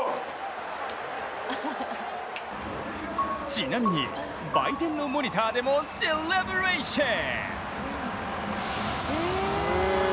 ちなみに、売店のモニターでもセレブレーション。